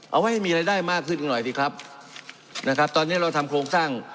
เอาให้มีรายได้มากขึ้นหน่อยสิครับนะครับตอนนี้เราทำโครงสร้าง